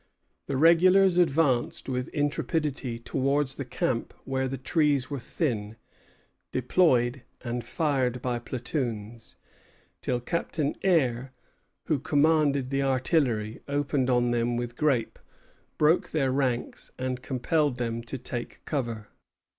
The regulars advanced with intrepidity towards the camp where the trees were thin, deployed, and fired by platoons, till Captain Eyre, who commanded the artillery, opened on them with grape, broke their ranks, and compelled them to take to cover.